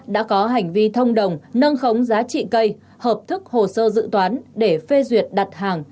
đã có hành vi thông đồng nâng khống giá trị cây hợp thức hồ sơ dự toán để phê duyệt đặt hàng